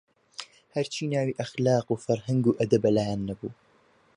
هەرچی ناوی ئەخلاق و فەرهەنگ و ئەدەبە لایان نەبوو